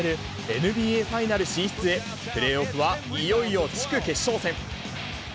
ＮＢＡファイナル進出へ、プレーオフはいよいよ地区決勝戦。